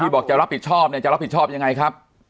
บอกจะรับผิดชอบเนี่ยจะรับผิดชอบยังไงครับ